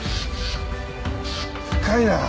深いな。